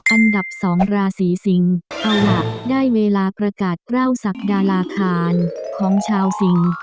อันดับ๒ราศีสิงเอาล่ะได้เวลาประกาศกล้าวศักดาราคารของชาวสิง